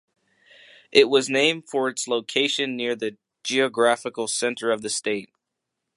It was named for its location near the geographical center of the state.